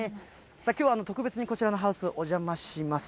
きょうは特別にこちらのハウス、お邪魔します。